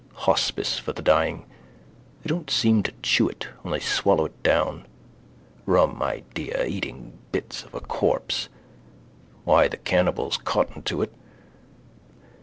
Hospice for the dying. They don't seem to chew it: only swallow it down. Rum idea: eating bits of a corpse. Why the cannibals cotton to it.